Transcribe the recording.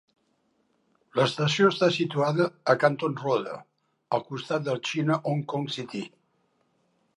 L'estació està situada a Canton Road, al costat del China Hong Kong City.